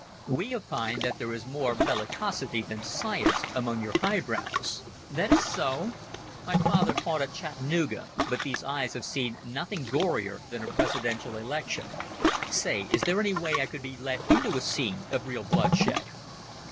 We opine that there is more bellicosity than science among your highbrows. That is so? My father fought at Chattanooga, but these eyes have seen nothing gorier than a Presidential election. Say, is there any way I could be let into a scene of real bloodshed?"